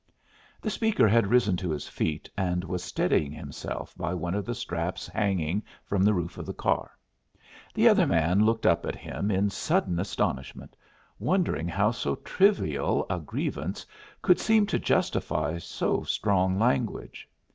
The speaker had risen to his feet and was steadying himself by one of the straps hanging from the roof of the car. The other man looked up at him in sudden astonishment, wondering how so trivial a grievance could seem to justify so strong language.